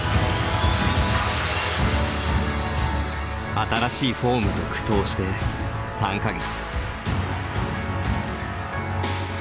新しいフォームと苦闘して３か月。